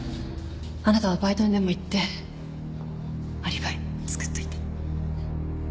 あなたはバイトにでも行ってアリバイ作っといて。